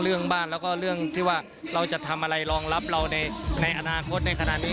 เรื่องบ้านแล้วก็เรื่องที่ว่าเราจะทำอะไรรองรับเราในอนาคตในขณะนี้